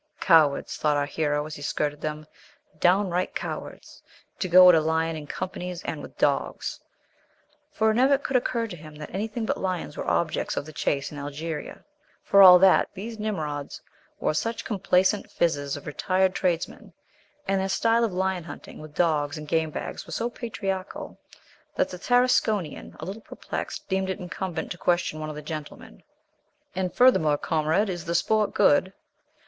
"Cowards!" thought our hero as he skirted them; "downright cowards, to go at a lion in companies and with dogs!" For it never could occur to him that anything but lions were objects of the chase in Algeria. For all that, these Nimrods wore such complacent phizzes of retired tradesmen, and their style of lion hunting with dogs and game bags was so patriarchal, that the Tarasconian, a little perplexed, deemed it incumbent to question one of the gentlemen. "And furthermore, comrade, is the sport good?"